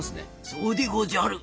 そうでごじゃる。